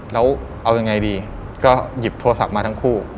แล้วเอายังไงดีก็หยิบโทรศัพท์มาทั้งคู่